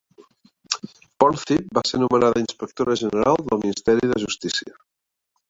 Pornthip va ser nomenada inspectora general del Ministeri de Justícia.